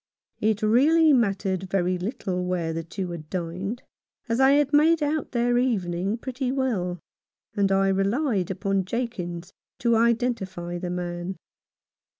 It really mattered very little where the two had dined, as I had made out their evening pretty well, and I relied upon Jakins to identify the man.